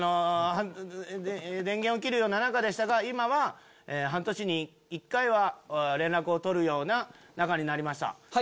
「電源を切るような仲でしたが今は半年に１回は連絡を取るような仲になりました。